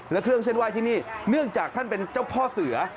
และเครื่องเส้นไหว้ที่นี่เนื่องจากท่านเป็นเจ้าพ่อเสือ